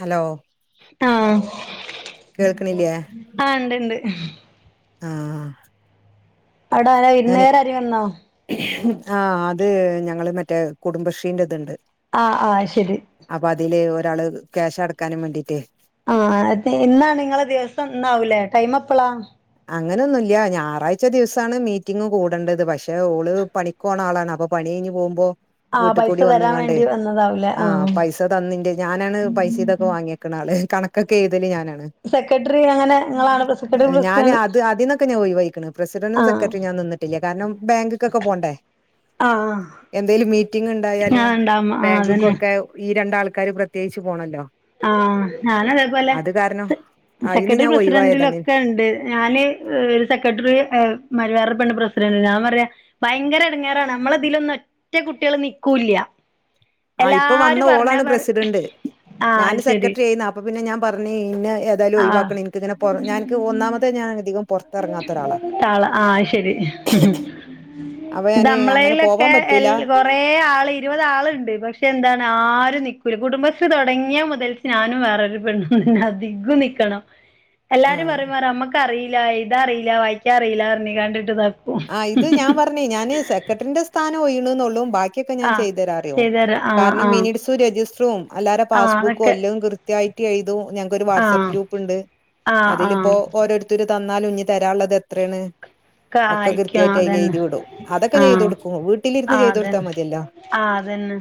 Hello ആഹ്. കേൾക്കണില്ലേ ആഹ് ഉണ്ട്ണ്ട്. ആഹ്. അവിടെ ആരാ ഞാന് വിരുന്നാരാരേം വന്നോ? ആഹ് അത് ഞങ്ങള് മറ്റേ കുടുംബശ്രീൻ്റെ ഇത്ണ്ട്. ആഹ് ആഹ് ശരി. അപ്പൊ അതില് ഒരാള് ക്യാഷ് അടക്കാനും വേണ്ടീട്ടേ ആഹ് എത്തേനി ഇന്നാണ് നിങ്ങള ദിവസം? ഇന്നാവൂലേ. ടൈം എപ്പളാ? അങ്ങനൊന്നുല്ല്യാ. ഞായറാഴ്ച ദിവസാണ് മീറ്റിംങ്ങ് കൂടേണ്ടത് പക്ഷെ ഓള് പണി ക് പോണ ആളാണ്. അപ്പൊ പണി കഴിഞ്ഞ് പോവുമ്പോ ആഹ് വീട്ട് പൈസ കൂടി തരാൻ വന്നിങ്ങാണ്ടേ വേണ്ടി വന്നതാവൂലേ ആഹ് പൈസ് സ തന്ന് ഇൻ്റേ. ഞാനാണ് പൈസേം ഇതൊക്കെ വാങ്ങ്യെക്ണാള്. കണക്കൊക്കെ എഴുതല് ഞാനാണ്. സെക്രട്ടറി അങ്ങനെ ഇങ്ങളാണ് പ്രസ് ഞാന് അത് അതിന്നൊക്കെ ഞാൻ ഒഴിവായീക്ണ്. പ്രസിഡന്റും ആഹ് സെക്രട്ടറിം ഞാൻ നിന്നിട്ടില്ല. കാരണം ബാങ്ക്ക്കൊക്കെ പോണ്ടേ. ആഹ് എന്തെലും മീറ്റിംങ്ങ്ണ്ടായാലും ആഹ് ഇണ്ടാവുമ്മ ആഹ് ബാങ്ക് അതന്നെ ക്കൊക്കെ ഈ രണ്ടാൾക്കാര് പ്രത്യേകിച്ച് പോണല്ലോ. ആഹ് ഞാനതേപോലെ അത് കാരണം അയിന്ന് സെക്രട്ടറി ഞാൻ ഒഴിവായതാണ് പ്രസിഡന്റിലൊക്കെ ഇണ്ട് ഞാന് ഒരു സെക്രട്ടറി ഏഹ് മാരി വേറൊരു പെണ്ണ് പ്രസിഡന്റ് ഞാൻ പറയാ ഭയങ്കര എടങ്ങേറാണ്. നമ്മളെ ഇതിലൊന്നും ഒറ്റ കുട്ട്യോള് നിക്കൂല്ല ആഹ് ഇപ്പൊ എല്ലാരും വന്ന പറഞ്ഞാ ഓളാണ് പറ പ്രസിഡന്റ്. ആഹ് അത് ഞാന് ശരി സെക്രട്ടറി ഏയിന്ന്. അപ്പൊ പിന്നെ ഞാൻ പറഞ്ഞ് ഇന്നെ എ തായാലും ആഹ് ഒഴിവാക്കണം ഇൻക്കിങ്ങനെ പൊറ ഞാ ഇൻക്ക് ഒന്നാമതെ ഞാൻ അധികം പൊറത്ത് എറങ്ങാത്ത ഒരാളാ ത്താള് ആഹ് അഹ്ശരി. അപ്പൊ ഞാന് അങ്ങനെ പോവാൻ ഇതമ്മളേലൊക്കെ എൽ പറ്റൂല കൊ കൊറേ ആള് ഇരുപത് ആള്ണ്ട് പക്ഷെ എന്താണ് ആരും നിക്കൂല കുടുംബശ്രീ തൊടങ്ങിയ മുതൽ ഞാനും വേറൊരു പെണ്ണും ണ്ട്. അധികും നിക്കണം. ആ എല്ലാരും പറിം പറഞ് അമ്മക്കറി ഇല്ല എഴുതാ അറീല്ല വായിക്കാ അറീല്ല പറഞ്ഞ് കാണ്ട്ട്ട് നി ആഹ് ഇത് ഞാൻ പറഞ്ഞ് ഞാന് സെക്രട്ടറിന്റെ സ്ഥാനം ഒയിയ്ണൂന്നുള്ളൂ ബാക് ക്യൊക്കെ ഞാൻ ആഹ് ചെയ്തരാറിയും. ചെയ്തരാ ആഹ് കാരണം ആഹ് മിനിക്സും രജിസ്റ്ററും എല്ലാരെ ആഹ് പാസ്സ് ബുക്കും അതൊക്കെ എല്ലതും കൃ ത്യായിട്ട് എഴുതും. ഞങ്ങക്കൊരു വാട്സാപ്പ് ആഹ് ഗ്രൂപ്പ്ണ്ട് ആഹ് ആഹ് അതിലിപ്പോ ഓരോരു ത്തി ര് തന്നാലും ഇഞ് തരാള്ളത് എത്രേണ് കാ അയിക്കും അതന്നെ അതൊക്കെ ചെയ്ത് ആഹ് കൊടുക്കും വീട്ടിലിരുന്ന് ആഹ് ചെയ്ത് കൊടുത്താൽ അതന്നെ മതിയല്ലോ ആഹ് അതന്നെ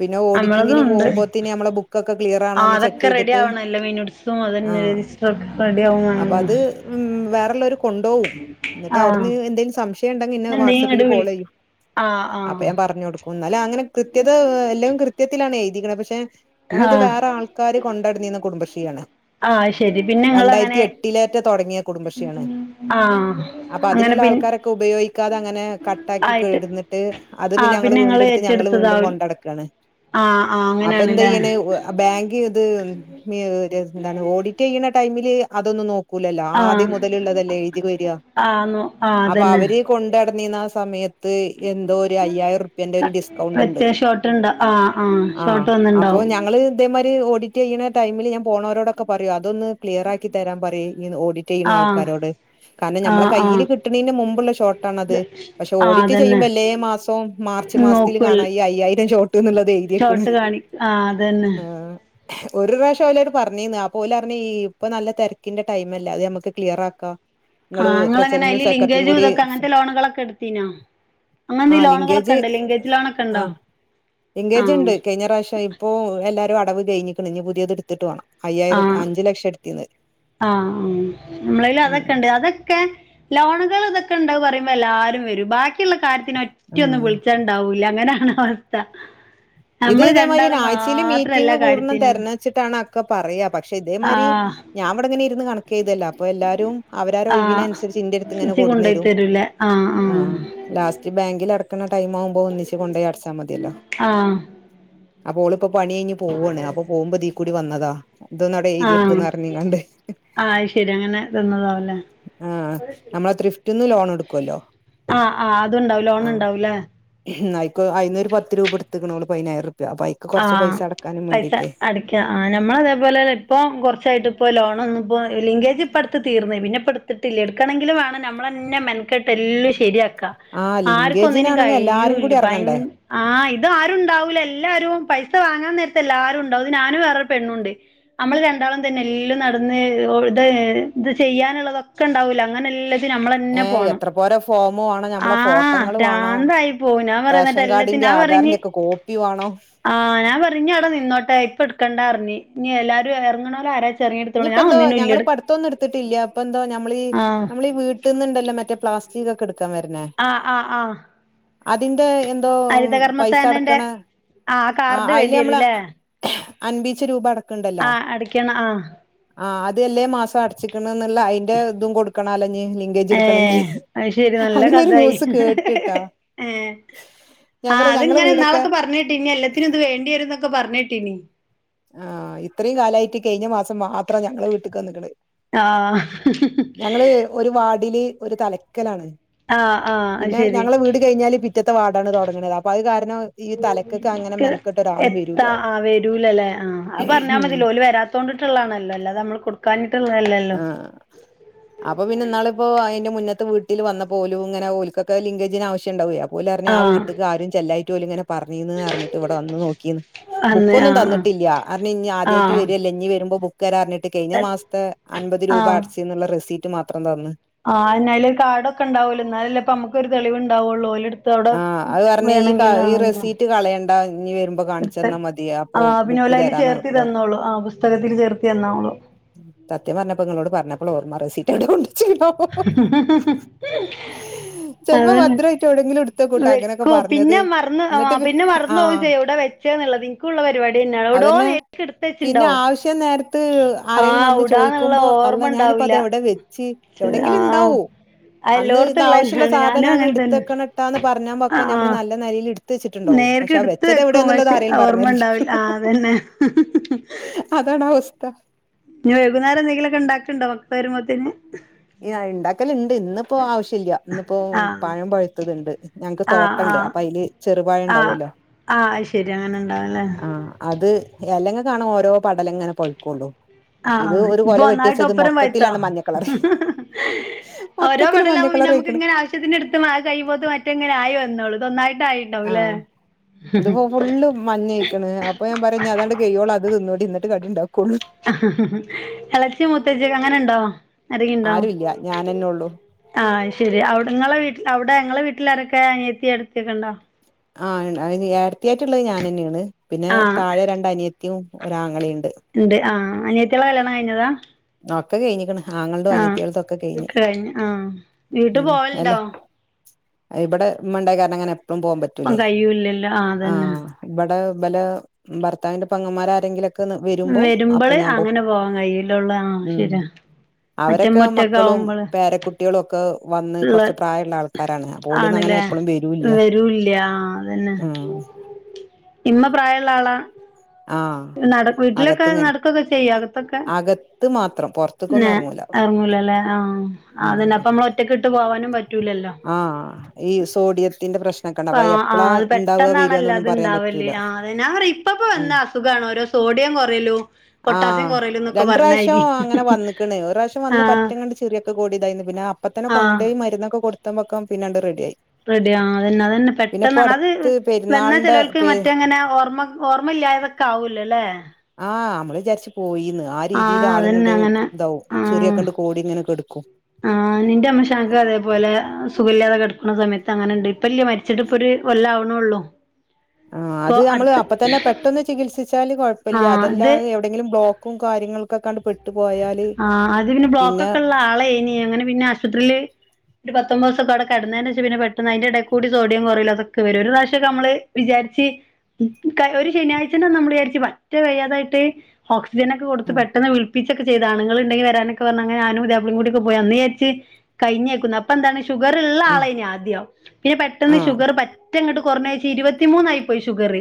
പിന്നെ ഓഡിറ്റിംഗ് നമ്മളതും ന് ഉണ്ട് പോകുമ്പോത്തിന് നമ്മളെ ബു ക്കൊക്കെ ക്ലിയർ ആഹ് ആണോന്ന് ചെക്ക് അതൊക്കെ റെഡി ചെയ്തിട്ട് ആവണല്ലോ മിനുട്സും അതന്നെ ആഹ് രജിസ്റ്റർ ഒക്കെ റെഡി ആവും അപ്പ വേണല്ലോ അത് ഉം വേറെള്ളോര് കൊണ്ടോവും ആഹ് തവിടുന്ന് എന്തെ സംശയം ഇണ്ടെങ്കി ഇന്നെ എന്തേ ഇങ്ങട് വാട്സാപ്പില് വിളി കോളേയും. ആഹ് അപ്പൊ ആഹ് ഞാൻ പറഞ്ഞു കൊടു ഒന്നാല അങ്ങനെ കൃത്യത എല്ലാം കൃത്യത്തിലാണ് എഴുതിക്കണേ പക്ഷെ ഞങ്ങളത് ആഹ് വേറെ ആൾ ക്കാര് കൊണ്ടടന്നീന്ന കുടുംബശ്രീയാണ്. ആഹ് ശരി പിന്നെ രണ്ടായിരത്തി ഇങ്ങളങ്ങനെ എട്ടിലേറ്റോ തൊടങ്ങിയ കുടുംബശ്രീയാണ്. ആഹ് അപ്പൊ അങ്ങനെ അതില്ള്ള പിൻ ആൾക്കാരൊക്കെ ഉപയോഗിക്കാതെ അങ്ങനെ കട്ടാക്കി ആയിട്ട് കെടന്നിട്ട് അത് പിന്നെ ആഹ് ഞങ്ങള് ഇങ്ങള് വീണ്ടെടുത്ത് ഞങ്ങള് വീണ്ടും ഏറ്റെടുത്തതാവും കൊണ്ടടക്കാണ്. ആഹ് ആഹ് അപ്പൊ അങ്ങനെയാണ്ല്ലേ എന്തായണ്‌ ഉവ ബാങ്ക് ഇത് [unintelligible] ഒരു എന്താണ് ഓഡിറ്റ് ചെയ്യണ ടൈമില് അതൊന്നും നോക് ക്കൂല്ലല്ലോ ആദ്യം മൊതല്ള്ളതല്ലേ എഴുതി വരാ. ആന്നു അപ്പൊ അവര് കൊണ്ടടന്നീന്ന ആ സമയത്ത് എന്തോ ഒര് അയ്യായിരം റുപ്യേന്റെ ഒരു ഡിസ്കൗണ്ട് [unintelligible] ഷോർട്ട്ണ്ടാ ആഹ് ആഹ് ആഹ് ഷോർട്ട് അപ്പോ വന്നിണ്ടാവും ഞങ്ങള് ഇതേമാതിരി ഓഡിറ്റ്യ്യണ ടൈമില് ഞാൻ പോണോരോടൊക്കെ പറയും അതൊന്ന് ക്ലിയറക്കി തരാൻ പറയന്നെ ഓഡി റ്റ്യ്യണ ആഹ് ആൾക്കാരോട് കാരണം ഞമ്മളെ ആഹ് ആഹ് കയ്യില് കിട്ടണേന് മുമ്പുള്ള ഷോട്ടാണത്. പക്ഷെ ആ ഓഡിറ്റ് അതന്നെ ചെയ്യുമ്പോല്ലേ മാസം മാർച്ച് മാസത്തില് നോക്കുവൽ കാണാം ഈ അയ്യായിരം ഷോട്ട്ന്ന്ള്ളത് എഴുതിക്കണേ ഷോർട്ട് കാണി ആ അതന്നെ ആഹ്. ഒരു പ്രാവശ്യം അവല്ലട് പറഞ്ഞെന്ന് ആപ്പോല് പറഞ്ഞ് ഈ ഇപ്പൊ നല്ല തെരക്കിന്റെ ടൈം അല്ലേ അത് നമുക്ക് ക്ലിയർ ആക്കാം. നിങ്ങള് ആഹ് ഇങ്ങളെങ്ങനെ പ്രസിഡന്റും അയ്ല് സെക്രട്ടറിയും ലിങ്കേജ് കൂടി ഇതൊക്കെ അങ്ങനത്തെ ലോണുകളൊക്കെ എടുത്തീനോ. ആ അങ്ങനെത്തേ ഈ ലോണുകളൊക്കെ ലിങ്കേജ് ഇണ്ടോ ലിങ്കേജ് ലോണൊക്കെ ആ ഇണ്ടോ. ലിങ്കേജ് ഇണ്ട് കഴിഞ്ഞ പ്രാവശ്യം ഇപ്പോ എല്ലാരും അടവ് കഴിഞ്ഞിക്കണ് ഇനി പുതിയത് എടുത്തിട്ട് വേണം. അയ്യായിരം ആഹ് അഞ്ചു ലക്ഷം എടുത്തീന്ന് ആഹ് ആഹ് നമ്മളേല് ഉം അതൊക്കെണ്ട് അതൊക്കെ ലോണുകള് ഇതൊക്കെ ഇണ്ട് പറയുമ്പോ എല്ലാവരും വരും. ബാക്കിള്ള കാര്യത്തിന് ഒറ്റ ഉം ഒന്ന് വിളിച്ചാ ഇ ണ്ടാവൂല അങ്ങനാണ്‌ അവസ്ഥ. ഇത് നമ്മള് രണ്ടാള് ഇതേമാതിരിനെ ആഴ്ചയില് മാത്രം എല്ലാ മീറ്റിംഗ്കൂടണം കാര്യത്തിനും തേര്ന വെച്ചിട്ടാണ് ഒക്കെ പറയ പക്ഷെ ഇതേ ആ മാതിരി ഞാൻവിടെങ്ങന ഇര്ന്ന് കണക്കെയ്തല്ലെ അപ്പൊ എല്ലാരും അവരാരോ ആ ഒഴിവിന് അനുസരിച്ച് ഇന്റെ അടുത്ത് ഇങ്ങനെ ഇജ്ജ് കൊണ്ടോയി കെട്ന്നരും. തരൂലേ ആ ആഹ് ലാസ്റ്റ് ബാങ്കിൽ അടക്കുന്ന ടൈം ആവുമ്പോ ഒന്നിച്ച് കൊണ്ടായി അടച്ചാൽ മതിയല്ലോ. ആഹ് അപ്പോ ഓളിപ്പ പണി കഴിഞ്ഞ് പോവാണ് അപ്പൊ പോകുമ്പോ ദീ കൂടി വന്നതാ. ഇതൊന്നടെ ആഹ് എഴുതിയക്കെന്ന് പർഞ്ഞ്കാണ്ട് ആഹ് അത് ശരി അങ്ങനെ തിന്നതാവുല്ലേ ആഹ് നമ്മളെ തിർഫ്റ്റന്ന് ലോൺ എടുക്കുല്ലോ. ആഹ് ആഹ് അതണ്ടാവും ലോൺ ഉണ്ടാവുല്ലേ. അയ്ക്ക് അയിന്നൊരു പത്ത് രൂപ എടുക്കണോളൂ പതിനായിരം അയിക്ക് കൊറച്ച പൈസ അടക്കാനും വേണ്ടിട്ടേ കയ ആ നമ്മള അതേപോലെ ഇപ്പോൾ കുറച്ചായിട്ട് ഇപ്പോൾ ലോണൊന്നും ഇപ്പോൾ ലിങ്കേജ് ഇപ്പോടുത്ത് തീർന്നേ പിന്നെ ഇപ്പടു ത്തിട്ടില്ല എടുക്കണങ്കിലും വേണം നമ്മളന്നെ മെൻക്കെട്ട് എല്ലും ശരിയാക്ക. ആഹ് ആർക്കും ഒന്നിനന് ലിങ്കേജിനാണെങ്കി എല്ലാരും കൂടി കഴിയൂല്ല ഭയ എറങ്ങണ്ടേ ആഹ് ഇത് ആരുണ്ടാവൂല എല്ലാരും പൈസ വാങ്ങാൻ നേരത്തെ എല്ലാരും ഉണ്ടാവും ഇത് ഞാനും വേറെ പെണ്ണുണ്ട്. നമ്മള് രണ്ടാളും തന്നെ എല്ലാം നടന്ന് ഇത് ഇത് ചെയ്യാനുള്ളതൊക്കെ ഉണ്ടാവൂല അങ്ങനെ എല്ല തെ നമ്മളന്നെ ഏഹ് പോണം. എത്ര പോരെ ഫോമ് വാണം ഞമ്മളെ ആഹ് ഫോട്ടങ്ങള് പ്രാന്തായി പോവും ഞാൻ പറയന്നട്ട് എല്ലാ ന്റെ ആധാറിന്റെ ഒക്കെ കോപ്പി വേണം. ആഹ് ഞാൻ പറഞ് അവിടെ നിന്നോട്ടെ ഇപ്പട്ക്കണ്ടർഞ്ഞ് ഇനി എല്ലാരും എറങ്ങ്ണോല് ആര ഇനിയിപ്പന്തോ ഞങ്ങള് ഇപ്പം അട്ത്തൊന്നും എടുത്തിട്ടില്ല പ്പന്തോ നമ്മളീഈ ആഹ് നമ്മളീ വീ വീടിനെന്നുണ്ടല്ലോ മറ്റേ പ്ലാസ്റ്റികൊക്കെ എടുക്കാൻ വരന്നെ ആഹ് ആഹ് ആഹ് അതിന്റെ എന്തോ ഹരിത പൈസ കർമ്മസേനന്റെ അടക്കണ ആഹ് ആ കാർഡ് അയില് വേണ്ടി നമ്മളെ വരൂല്ലേ അൻപീച്ച രൂപ അട ആഹ് അടക്കണം ആഹ് ആഹ് അത് അല്ലേ മാസം അടച്ചിക്കണന്നുള്ള അതിന്റെ ഇതും കൊടുക്കണ അല്ലോ ലി കജെടുക്കണെങ്കില് ഏഹ് അത് ശെരി നല്ല അങ്ങനെ ഒരു കഥായി ന്യൂസ് കേട്ട്ട്ടാ. ഏഹ് ആഹ് അതിങ്ങനെ എന്നാളൊക്കെ പറഞ്ഞിട്ട് ഇനി എല്ലാത്തിനും ഇത് വേണ്ടി വരും എന്നൊക്കെ പർഞ്ഞെട്ടീനി ആഹ് ഇത്രിം കാലായിട്ട് കഴിഞ്ഞ മാസം മാത്രം ഞങ്ങള വീട്ടിൽക്ക് വന്ന്ക്ക്ണ് ആഹ് ഞങ്ങള് ഒരു വാഡില് ഒരു തലക്കലാണ് ആഹ് ആഹ് അത് പിന്നെ ശെരി ഞങ്ങള വീട് കഴിഞ്ഞാല് പിറ്റത്തെ വാഡാണ് തുടങ്ങണത് അപ്പൊ അത് കാരണം ഈ തലക്കൊക്കെ അങ്ങനെ ക്ക് മെനക്കെട്ട് ഒരാളും വരൂല എത്താ ആ വരൂലല്ലേ ആഹ് അത് പറഞ്ഞാൽ ഉം മതിയല്ലോ ഓല് വരാ തോണ്ടട്ടുള്ളതാണല്ലോ അല്ലത നമ്മള് കൊടുക്കാനിട്ടുള്ളതല്ലല്ലോ ആഹ് അപ്പൊ പിന്നെന്നാളിപ്പോ അയിന്റെ മുന്നത്ത് വീട്ടില് വന്നപ്പം ഓലുംഇങ്ങനെ ഓൽകൊക്കെ ലിങ്കേജിന് ആവശ്യംണ്ടാവെ ഓല് റഞ്ഞ് ആ വീട്ട്ക്കാരും ചെല്ലയ്ട്ട് ഓല്ങ്ങനെ പറീന്ന്ന്ന് പറഞ്ഞിട്ട് ഇവിടെ വന്ന് നോക്കീന്ന് അന്ന് ആ ബുക്കൊന്നും തന്നിട്ടില്ല [unintelligible] ഇഞ്ഞി ആദ്യ ആ ആയിട്ട് വരല്ലേ ഇഞ്ഞി വരുമ്പോ ബുക്ക് തരാറിഞ്ഞിട്ട് കഴിഞ്ഞ ആ മാസത്തെ അൻപത് രൂപ അടച്ച എന്നുള്ള റിസീപറ്റ് മാത്രം തന്ന് ആഹ് അതന്നെ അയല്ഒരു കാടൊക്കെണ്ടാവല്ലോ എന്നാലല്ലേ അപ്പംനമ്മക്കെരു തെളിവു ഉണ്ടാവുകയുള്ളൂ അയില്ട് ആഹ് അത് പറഞ്ഞ ഈ കാ ഈ റെസീറ്റ് കളയണ്ട ഇഞ്ഞ് വരുമ്പോ കാണിച്ചന്നാ മതിയാ ആഹ് പിന്നെ അതില് ചേർത്തി തന്നോളു ആഹ് പുസ്തകത്തിൽ ചേർത്തി തന്നോളൂ സത്യം പറഞ്ഞപ്പോ നിങ്ങളോട് പറഞ്ഞപ്പോൾ ഓർമ റസീപ്റ്റ് എവിടെ കൊണ്ട് വെച ചെലപ്പോ അതെന്നെ ഭദ്രായിട്ട് എവിടെങ്കിലും എടുത്തക്കൂട്ടാ അങ്ങനൊക്കെ വെക്കൂ പറഞ്ഞത് പിന്നെ മറന്ന് ആ ഇന്നിട്ട് പിന്നെ ആഹ് മറന്ന്പോകുംചെയ്യും എവിടെ വെച്ചന്നുള്ളത് ഇൻക്കുള്ളപരിപാടി തന്നെയാണ് എവിടോ അതന്നെ എടുത്ത് പിന്നെ വെച്ചിണ്ടാവും ആവശ്യം നേരത്ത് ആ ആരേങ്കലും വന്ന് എവിടാന്നുള്ള ചോയിക്കുമ്പോ അള്ളാ ഓർമ്മ ഞാനിപ്പോ ഉണ്ടാവൂല അതെവിടെ വെച്ച് ആ എവിടെയെങ്കിലും ഉണ്ടാവും അത് അന്ന് എല്ലോടത്തുള്ള ആവിശ്യമുള്ള തന്നെയാണ് ഞാനും സാധനാണ് അങ്ങനെ ഇട്ത്ത് തന്നെ വക്കണ ട്ട ന്ന് പറഞ്ഞാ ആ പക്കം ആ ഞമ്മൾ നിലയിൽടു ത്തിച്ചിട്ടുണ്ടാവും നേർക്ക് പക്ഷെ ആ എടുത്ത് വെച്ചത് വെക്കും എവിടെന്നുള്ളത് പക്ഷെ ആരേലും പറഞ്ഞ് ഓർമ്മ ഉണ്ടാവില്ല ആ [unintelligible] അതന്നെ അതാണ് അവസ്ഥ ഇനി വൈകുന്നേം എന്തെങ്കിലൊക്കെ ഉണ്ടാക്കണ്ടോ മക്ക വരുമ്പോത്തേന് ആഹ് ഇണ്ടാക്കലിണ്ട് ഇന്നിപ്പോ ആവശ്യല്ല ഇന്നിപ്പോ ആ പഴം പഴുത്തത് ഇണ്ട് ഞങ്ങക്ക് ആ ആ തോട്ടണ്ട് അപ്പൊ അയില് ആ ചെറുപഴുണ്ടാവല്ലോ ആ ശരി അങ്ങനെ ഉണ്ടാവുംല്ലേ ആഹ് അത് അല്ലെങ്കിൽ കാണും ഓരോ പടല ഇങ്ങനെ പഴുക്കൊള്ളൂ ആഹ് ഇപ്പൊ ഒന്നായിട്ടോപ്പരം പയ്ത്തോ മഞ്ഞക്കളറ് ഓരോ മൊത്തത്തില് പടലാവുമ്പോ പിന്നെ മഞ്ഞക്കളർ നമുക്ക് ആയിക്കണ് ഇങ്ങനെ ആവശ്യ ത്തിന്റെ അടുത്ത് കൈപോത്ത മറ്റെങ്ങനെ ആയി വന്നോളു ഇതൊന്നായിട്ട് ആയിണ്ടാവല്ലേ മഞ്ഞയായിക്കണ് അപ്പ ഞാൻ പറയും അതാണ്ട് കൈയോളൂ അത് തിന്നുടി എന്നിട്ട് കടിണ്ടാക്കോള്ളൂ എളച്ചി മൂത്തച്ചി അങ്ങനെണ്ടോ അരെങ്കിണ്ടോ ആരുല്ല ഞാനെന്നെ ഉള്ളു ആഹ് അത് ശരി നിങ്ങളെ വീട്ടിൽ അവിടെ നിങ്ങളെ വീട്ടിലാരൊക്കെ അനിയത്തി ഏടത്തിക്കെ ഇണ്ടോ ആഹ് അയ്‌നു ഏടത്തിയായിട്ടുള്ളത് ഞാൻന്നെയാണ് പിന്നെ ആഹ് താഴെ രണ്ട് അനിയത്തിയും ഒരാങ്ങളെയുണ്ട് ണ്ട് അഹ് അനയത്തികളെ കല്യാണം കഴിഞ്ഞതാ ഒക്കെ കഴിഞ്ഞിക്കണ് ആങ്ങളടെ ആഹ് അനത്തികളതും ഒക്കെ കഴിഞ്ഞി കഴിഞ്ഞു ആഹ് വീട്ട് ഉം പോവലുണ്ടോ അല്ലെ ഇബടെ ഉമ്മ ഇണ്ടായ കാരണം അങ്ങനെ എപ്പോ പോവാൻ ഇപ്പം പറ്റൂലേ കഴിയൂല്ലല്ലോ അതന്നെ ആഹ് ഇവിടെ ഇവല ഭർത്താവിന്റെ പെങ്ങന്മാർരെങ്കിലുംലൊക്കെ വരുമ്പോ അപ്പൊ വരുമ്പള് ഞാൻ പോവും അങ്ങനെ പോവാൻ കയ്യിലുള്ള ആഹ് ഉം ശരിയാ അറ്റ മുറ്റൊക്കെ ആവുമ്പോള് കുട്ടികളൊക്കെ വന്ന് കൊറച്ച് പ്രായള്ള ആൾക്കാരാണ് പോലൊന്നും അങ്ങനെ ആണ്ല്ലേ എപ്പളും വരൂല്ല ആഹ് അതന്നെ ഉം ഇമ്മ പ്രായള്ള ആളാ ആഹ് നട വീട്ടിലൊക്കെ അകത്ത്ങ്ങനെ നടക്കൊക്കെ ചെയ്യോ അകത്തൊക്കെ അകത്ത് മാത്രം പൊറ എറങ്ങൂലല്ലേ ആഹ് അതന്നെ ഉം അപ്പ നമ്മള് ഒറ്റക്ക് ഇട്ട് പോവാനും പറ്റൂലല്ലോ ആഹ് ഈ സോഡിയത്തിന്റെ പ്രശ്നൊക്കെണ്ട് അപ്പൊ ആഹ് എപ്പളാ ആഹ് അത് ഇണ്ടാവ വരിവാന്നൊന്നും പറയാൻ പറ്റൂല അ ഞാ പറയും ഇപ്പപ്പോ വന്ന ഉം അസുഖണ് ഓരോ സോഡിയം കൊറയലും പൊട്ടാസ്യം ആഹ് കൊറലോന്നൊക്കെ രണ്ട് പറഞ്ഞ പ്രാവശ്യം അരി അങ്ങനെ വന്നക്കണ് ഒരു പ്രാവശ്യം വന്ന് പറ്റങ്ങനെ ചെറിയക്കെ കൂടി ഇതായി പിന്നെ അപ്പതന്നെ ആഹ് കൊണ്ടോയിന് മരുന്നൊക്കെ കൊടുത്ത്പൊക്കെ പിന്നാണ്ട് റെഡി ആയി റെഡിയ അതന്നെ അതന്നെ പെട്ടെന്നാണ് അത് വന്ന പെരുന്നാളിന്റെ ചെലവൽ ക്ക് പേ മറ്റെങ്ങനെ ഓർമ്മ ഓർമ്മയില്ലായതൊക്കെ ആവു ല്ല ല്ലേ ആഹ് നമ്മള് വിചാരിച്ചു പോയിന്ന് ആ രീതിൽ ആഹ് ആളും അതന്നെ ങ്ങട് അങ്ങനെ ഇതാവും ചിറിയൊക്കെണ്ട് കോ ഇങ്ങനെ കെടക്കും ആ നിന്റെ അമ്മോഷാ ക അതേപോലെ സുഖല്ലാതെ കെടുക്കുന്ന സമയത്ത് അങ്ങനെ ഇണ്ട് ഇപ്പ ഇല്ല മരിച്ചിട്ട് ഇപ്പൊ ഒരു കൊല്ലാവനെണെ ഒള്ളൂ ആ അത് നമ്മള് അപ്പ തന്നെ പെ പെട്ടെന്ന് ചികിത്സിച്ചാല് കൊഴപ്പില്ല ആഹ് ഇത് അതല്ലത എവിടെയെങ്കിലും ബ്ലോക്കും കാര്യങ്ങളൾക്കെ കണ്ട് പെട്ടു പോയാല് ആ അത് പിന്നെ ബ്ലോക്ക്ക്കൊക്കെ ഇള്ള ആളേനി അങ്ങനെ പിന്നെ ആശുപത്രിയില് ഒരു പത്തൊമ്പതിവസൊക്കെ അവിടെ കെടന്നേനു ശേഷം പിന്നെ പെട്ടന്ന് അയിന്റെ എടെ കൂടി സോഡിയം കൊറയും അതക്കെ വരും ഒരു പ്രാവശ്യക്ക നമ്മള് വിചാരിച്ച് ഒരു ശനിയാഴ്ചന്ന നമ്മള് വിചാരിച്ചു പറ്റ വയ്യാതായിട്ട് ഓക്സിജനക്കെ കൊടുത്ത് ആഹ് പെട്ടെന്ന് വിളി പപ്പിച്ചൊക്കെചെയ്ത് ആണുങ്ങൾ ഉണ്ടെകിൽ വരാനക്കെ പറഞ്ഞങ്ങനെ ഞാനും പുതിയപ്ലിം കൂടി പോയി അന്ന് വിചാരിച് കഴിഞ്ഞേക്കും ഇപ്പൊ എന്താണ് ഷുഗർ ഇള്ള ആ ആഹ് ളെ ന് ആദ്യമ് പിന്നെ പെട്ടെന്ന് ആഹ് ഷുഗറ് പ പറ്റ അങ്ങോട്ട് കൊറഞ്ഞോയി ഇരുപത്തി മൂന്നായി പോയി ഷുഗറ്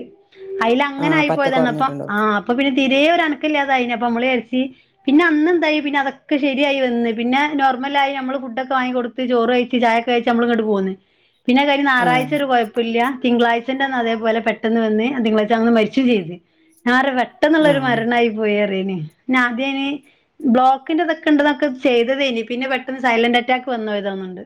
അയില് അങ്ങനെ ആഹ് ആയി പറ്റെ പോയതാണ് അപ്പ കൊറഞ്ഞിട്ടുണ്ടോ ആ അപ്പൊ പിന്നെ തീരെ ഒരനക്ക ഇല്ലാത ആയിന് അപ്പൊ നമ്മള് വിചാരിച്ച് പിന്നെ അന്നെന്തായി പിന്നെ അതൊക്കെ ശരിയായി വന്ന് പിന്നെ നോർമലായി നമ്മള് ഫുഡ്ഒക്കെ വാങ്ങി കൊടുക്കും ചോറ് കഴിച്ചി ചായൊക്കെ കഴിച്ച് നമ്മളിങ്ങോട്ട് പോന്ന് പിന്നെ കഴിഞ്ഞ ആഹ് ഞായറഴ്ച ഒരു പ്പോല്ല തിങ്കളാഴ്ചന്റെന്ന് അതേപോലെ പെട്ടെന്ന് വന്ന് ആ തിങ്കളാഴ്ച അങടു മരിച്ചു ചെയ്ത് പെട്ടെന്നുള്ള ഒരു ആഹ് മരണായി പോയി പറയാന് അയിന് ബ്ലോക്കിന്റതൊക്കെ ഉണ്ടതൊക്കെ ചെയ്തതേനി പിന്നെ പെട്ടെന്ന് സൈലന്റ് അറ്റാക്ക് വന്ന് പോയതാന്നുണ്ട്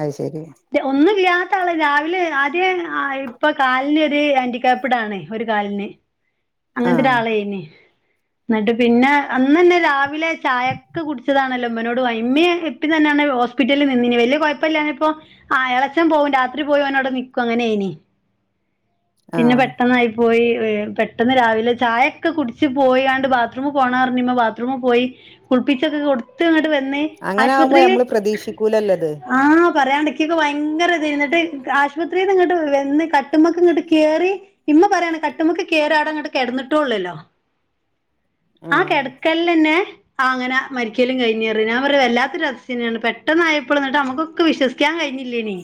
അത് ശരി ഒന്നും ഇല്ലാത്ത ആള് രാവിലെ ആദ്യം ഇപ്പൊ കാലിന് ഒരു ആൻഡിക്പ്പിഡ് ആണ് ഒരു കാലിന് ആഹ് അങ്ങനത്തെരാളായിന് എന്നിട്ട് ഇ പിന്നെ അന്ന് തന്നെ രാവിലെ ചായൊക്കെ കുടിച്ചതാണല്ലോ ഉമ്മനോട് ഉമ്മിയേ ഉപ്പി തന്നെയാണ് ഹോസ്പിറ്റലിൽ നിന്നിന് വല്യ കുഴപ്പെല്ല ഇപ്പൊ ആ എളയച്ഛൻ പോവും രാത്രി പോയി ഓന് അവടെ നിക്കും. അങ്ങനെ അയിനി പിന്നെ ആഹ് പെട്ടന്നായി പോയി. ഏ പെട്ടെന്ന് രാവിലെ ചായൊക്കെ കുടിച്ച് പോയാണ്ട് ബാ ത്റൂം പോകണ പറഞ്ഞ് ബാത്റൂമി പോയി. കുളപ്പിച്ചൊക്കെ കൊടുത്ത് ഇങ്ങട് വന്ന് അങ്ങനെ ആകുമ്പോ ആശുപത്രിയില് ഞമ്മള് പ്രതീക്ഷിക്കൂലല്ലോ ത് ആ പറയാണ്ടെനിക്കിക്കൊക്കെ ഭയങ്കര ഇത്. എന്നിട്ട് ആശുപത്രീന്ന് ഇങ്ങട്ട് വന്ന് കട്ടുമക്ക് ഇങ്ങട് കേറി ഇമ്മ പറയാണ് കട്ടുമക്ക് കയറി അവിടെ അങ്ങട് കിടന്നിട്ടുള്ളൂലോ. ആ ആഹ് കിടക്കല്ലന്നെ ആ അങ്ങനെ മരിക്കലും കഴിഞ്ഞ്പറയാ. ഞാൻ പറഞ്ഞു വല്ലാത്തൊരു അതിശയം തന്നെയാണ്. പെട്ടെന്നായപ്പോഴ് എന്നിട്ട് നമ്മുക്കു എൻക്ക് വിശ്വസിക്കാൻ കഴിഞ്ഞില്ലേനി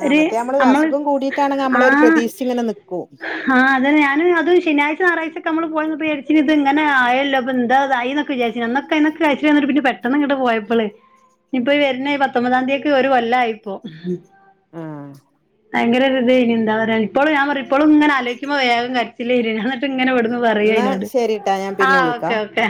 ആഹ് മറ്റേ നമ്മള് അസുഖം കൂടിയിട്ടാണെങ്കി ആ നമ്മളൊരു പ്രതീക്ഷിച്ച് ഇങ്ങനെ നിക്കും ആ അത് തന്നെ. ഞാന് അത് ശനിയാഴ്ച ഞായറാഴ്ച്ചൊക്കെ നമ്മള് പോയി വന്നപ്പോ വിചാരി ഇച്ചിരി ഇത് ഇങ്ങനെ ആയല്ലോ ഇപ്പ എന്താ ഇതായി എന്നൊക്കെ വിച്ചാരിച്ച്. അന്നൊക്കെ ഇന്നൊക്കെ കയിച്ച് വന്നിട്ട് പിന്നെ പെട്ടെന്നങ്ങട് പോയപ്പള് ഇപ്പൊ വരണ ഈ പത്തൊമ്പതാം തീയതിക്ക് ഒരു കൊല്ലായിപ്പോ. ഉം ഭയങ്കര ഒരു ഇതായിരുന്നു. എന്താ പറയാ ഇപ്പോഴും ഞാൻ പറയും ഇപ്പോഴും ഇങ്ങനെ ആലോചിക്കുമ്പേ വേഗം കരിച്ചില് വരും. എന്ന ഇങ്ങനെ ഇവിടുന്ന് പറയാ എന്നാ അതിനോട്. ശരിട്ടാ ഞാൻ പിന്നെ ആഹ് വിളിക്കാ ഓക്കേ ഓക്കേ